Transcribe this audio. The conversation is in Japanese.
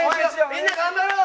みんな頑張ろう！